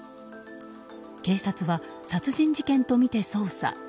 警察は、殺人事件とみて捜査。